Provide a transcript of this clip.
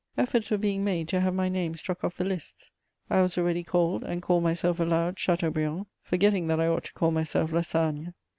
Efforts were being made to have my name struck off the lists; I was already called, and called myself aloud, Chateaubriand, forgetting that I ought to call myself Lassagne.